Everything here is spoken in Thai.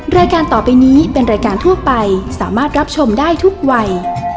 รายการต่อไปนี้เป็นรายการทั่วไปสามารถรับชมได้ทุกวัย